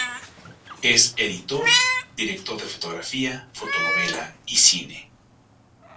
Es editor, director de fotografía, fotonovela y cine.